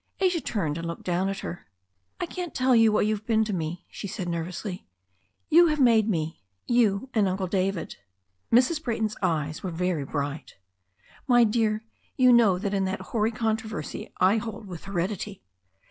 Asia turned and looked down upon her. "I can't tell you what you have been to me," she said nervously. "You have made me — ^you and Uncle David." Mrs. Brajrton's eyes were very bright. "My dear, you know that in that hoary controversy I hold with heredity.